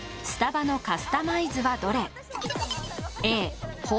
スタバのカスタマイズはどれ？